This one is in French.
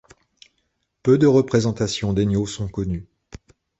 Peu de représentations d'Ényo sont connues.